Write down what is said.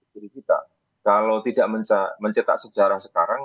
jadi kita kalau tidak mencetak sejarah sekarang